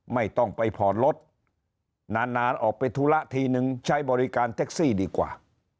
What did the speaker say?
ไม่ต้องไปผ่อนรถนานออกไปธุระทีนึงใช้บริการแท็กซี่ดีกว่า